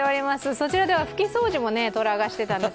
そちらでは拭き掃除もとらがしてたんです。